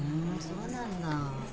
そうなんだ。